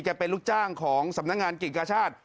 เป็นลูกจ้างของสำนักงานกิ่งกาชาติ